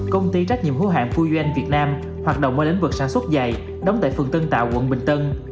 công ty trách nhiệm hữu hạng fujan việt nam hoạt động ở lĩnh vực sản xuất dày đóng tại phường tân tạo quận bình tân